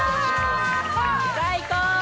最高！